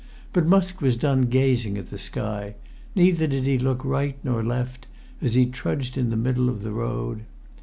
But Musk was done gazing at the sky, neither did he look right or left as he trudged in the middle of the road.